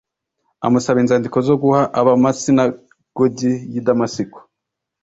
amusaba inzandiko zo guha ab’amasinagogi y’i Damasiko,